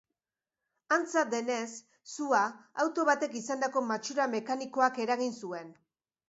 Antza denez, sua auto batek izandako matxura mekanikoak eragin zuen.